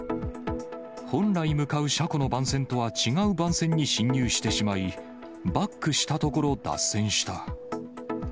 本来向かう車庫の番線とは違う番線に進入してしまい、バックしたところ、脱線した。